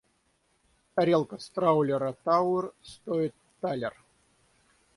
Тарелка с траулера «Тауэр» стоит талер.